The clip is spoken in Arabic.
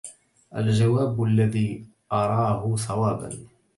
الجواب الذي أراه صوابا